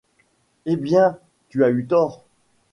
Eh bien… tu as eu tort !…